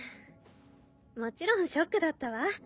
もちろんショックだったわ。